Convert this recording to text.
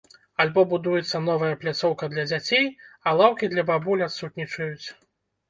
Альбо будуецца новая пляцоўка для дзяцей, а лаўкі для бабуль адсутнічаюць.